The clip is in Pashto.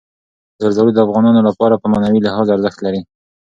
زردالو د افغانانو لپاره په معنوي لحاظ ارزښت لري.